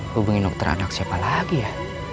hubungin dokter anak siapa lagi ya